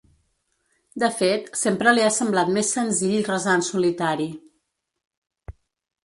De fet, sempre li ha semblat més senzill resar en solitari.